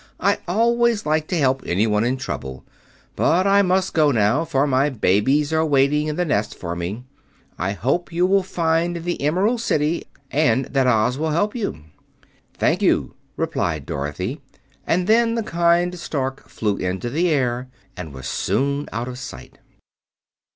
"I always like to help anyone in trouble. But I must go now, for my babies are waiting in the nest for me. I hope you will find the Emerald City and that Oz will help you." "Thank you," replied Dorothy, and then the kind Stork flew into the air and was soon out of sight.